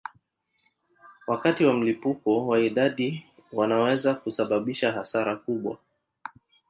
Wakati wa mlipuko wa idadi wanaweza kusababisha hasara kubwa.